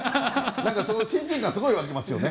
なんか親近感がすごい湧きますよね。